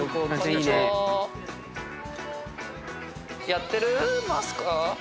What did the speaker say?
やってますか？